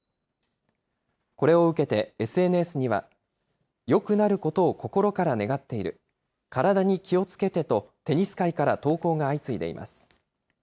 これを受けてＳＮＳには、よくなることを心から願っている、体に気をつけてと、テニス界から投稿が相次いでいます。